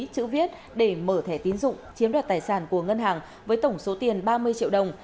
chữ viết để mở thẻ tín dụng chiếm đoạt tài sản của ngân hàng với tổng số tiền ba mươi triệu đồng